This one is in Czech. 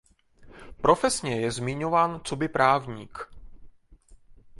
Profesně je zmiňován coby právník.